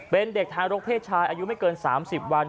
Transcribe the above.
เป็นเด็กทารกเพศชายอายุไม่เกิน๓๐วัน